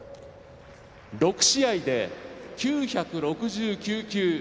６試合で９６９球。